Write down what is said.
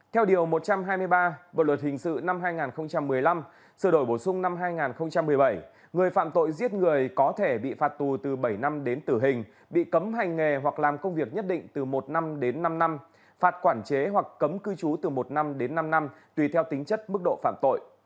theo điều một trăm hai mươi ba bộ luật hình sự năm hai nghìn một mươi năm sự đổi bổ sung năm hai nghìn một mươi bảy người phạm tội giết người có thể bị phạt tù từ bảy năm đến tử hình bị cấm hành nghề hoặc làm công việc nhất định từ một năm đến năm năm phạt quản chế hoặc cấm cư trú từ một năm đến năm năm tùy theo tính chất mức độ phạm tội